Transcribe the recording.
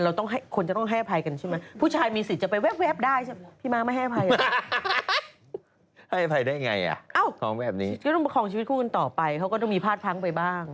ก็ต้องประของชีวิตคู่กันต่อไปเค้าก็ต้องมีพลาดพลั้งไปบ้าง